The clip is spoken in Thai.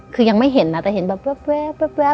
คือยังไม่เห็นนะแต่เห็นแบบแว๊บ